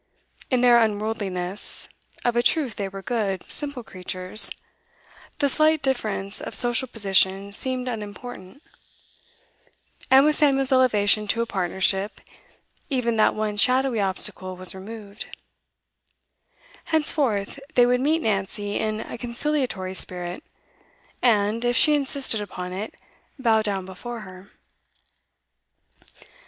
In their unworldliness of a truth they were good, simple creatures the slight difference of social position seemed unimportant. And with Samuel's elevation to a partnership, even that one shadowy obstacle was removed. Henceforth they would meet Nancy in a conciliatory spirit, and, if she insisted upon it, bow down before her.